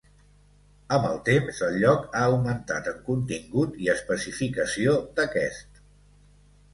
Amb el temps, el lloc ha augmentat en contingut i especificació d'aquest.